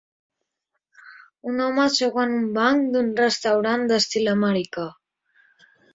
Un home seu en banc d'un restaurant d'estil americà.